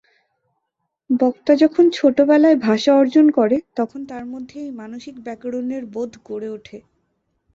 বক্তা যখন ছোটবেলায় ভাষা অর্জন করে, তখন তার মধ্যে এই মানসিক ব্যাকরণের বোধ গড়ে ওঠে।